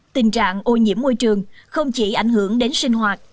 tình trạng ô nhiễm môi trường không chỉ ảnh hưởng đến sinh hoạt